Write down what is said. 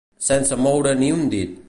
Sense moure ni un dit.